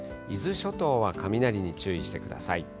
伊豆諸島は雷に注意してください。